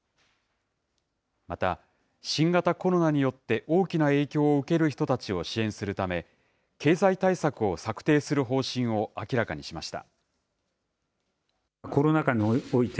また、新型コロナによって大きな影響を受ける人たちを支援するため、経済対策を策定する方針を明らかにしました。